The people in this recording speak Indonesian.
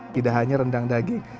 tidak hanya rendang daging